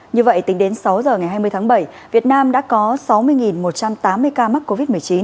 như vậy tính đến sáu giờ ngày hai mươi tháng bảy việt nam đã có sáu mươi một trăm tám mươi ca mắc covid một mươi chín